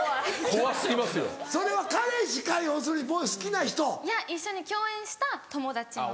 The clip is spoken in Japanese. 要するにもう好きな人？いや一緒に共演した友達の。